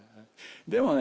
でもね